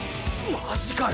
マジかよ。